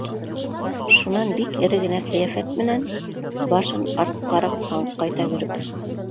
Шунан бик эре генә ҡиәфәт менән башын арт-ҡараҡ саңҡайта биреп: